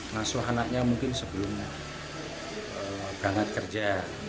masuhanaknya mungkin sebelum banget kerja